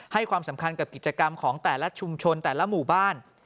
ความสำคัญกับกิจกรรมของแต่ละชุมชนแต่ละหมู่บ้าน